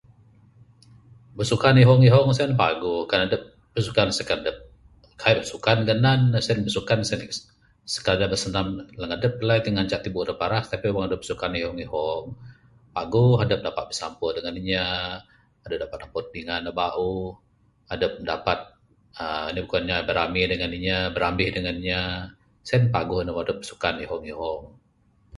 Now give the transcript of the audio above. Besukan ihong-ihong sen paguh, Kan adup besukan sikadup, kaik besukan ganan ne. Sen suka bersukan sen sekadar bersenam langadup lai da ngancak tibu dup paras lai. Tapi wang dup sukan ihong-ihong, paguh. Adup dapat bisampur dengan inya, adup dapat napud dingan da bauh. Adup dapat uhh anih boh kuwan inya birami dengan inya, birambih dengan inya. Sen paguh ne wang adup sukan ihong-ihong.